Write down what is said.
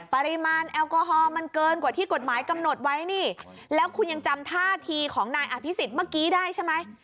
ปริมาณแอลกอฮอลมันเกินกว่าที่กฎหมายกำหนดไว้นี่แล้วคุณยังจำท่าทีของนายอภิษฎเมื่อกี้ได้ใช่ไหม